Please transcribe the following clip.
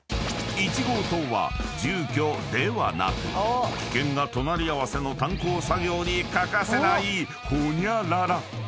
［１号棟は住居ではなく危険が隣り合わせの炭鉱作業に欠かせないホニャララ］